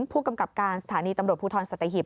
ผู้กำกับการสถานีตำรวจภูทรสัตหิบ